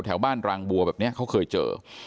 แถวบ้านรางบัวแบบนี้เขาเคยเจอ